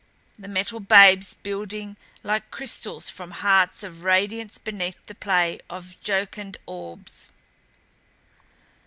The Metal Babes building like crystals from hearts of radiance beneath the play of jocund orbs!